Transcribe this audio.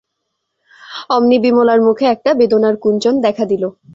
অমনি বিমলার মুখে একটা বেদনার কুঞ্চন দেখা দিল।